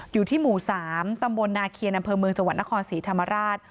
อยู่ที่หมู่๓ตำบลนาเคียนอำเภอเมืองจังหวัดนครศรีธรรมราช